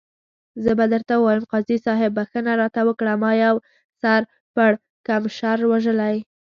زه به ورته ووایم، قاضي صاحب بخښنه راته وکړه، ما یو سر پړکمشر وژلی.